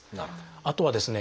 あとはですね